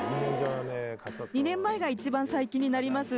２年前が一番最近になります。